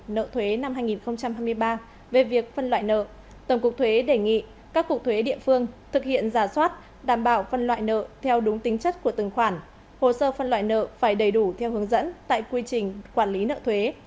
nợ thuế năm hai nghìn hai mươi ba về việc phân loại nợ tổng cục thuế đề nghị các cục thuế địa phương thực hiện giả soát đảm bảo phân loại nợ theo đúng tính chất của từng khoản hồ sơ phân loại nợ phải đầy đủ theo hướng dẫn tại quy trình quản lý nợ thuế